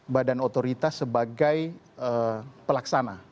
badan otoritas sebagai pelaksana